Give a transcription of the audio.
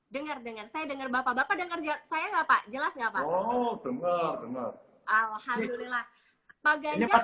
denger dengar saya denger bapak bapak dengan kerja saya enggak pak jelas enggak pak alhamdulillah